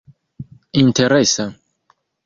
interesa